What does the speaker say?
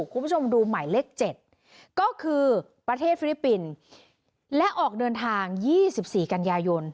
คุณผู้ชมดูหมายเลข๗ก็คือประเทศฟิลิปปินส์และออกเดินทาง๒๔กันยายน